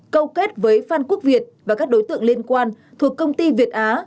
câu kết với phan quốc việt và các đối tượng liên quan thuộc công ty việt á